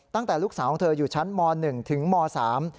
ตั้งแต่ลูกสาวของเธออยู่ชั้นมหนึ่งถึงมสาม